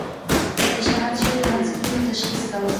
د پیشنهاد شویو بستونو تشخیص کول.